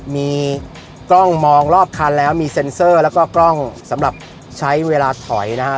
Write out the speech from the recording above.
มีกล้องมองรอบคันแล้วมีเซ็นเซอร์แล้วก็กล้องสำหรับใช้เวลาถอยนะฮะ